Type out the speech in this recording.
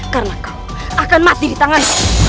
karena kau akan masih di tangan